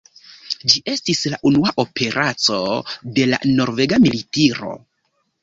Ĝi estis la unua operaco de la norvega militiro.